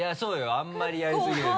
あんまりやりすぎると。